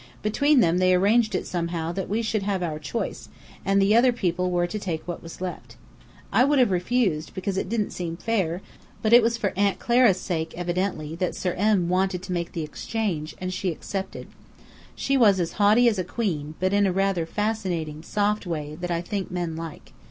Between them, they arranged it somehow that we should have our choice, and the other people were to take what was left. I would have refused, because it didn't seem fair, but it was for Aunt Clara's sake, evidently, that Sir M. wanted to make the exchange, and she accepted. She was as haughty as a queen, but in rather a fascinating, soft way that I think men like.